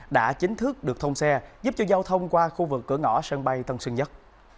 đã chính thức được thông xe giúp cho giao thông qua khu vực cửa ngõ sân bay tân sơn nhất